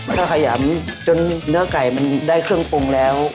ถ้าขยำจนเนื้อไก่มันได้เครื่องปรุงแล้ว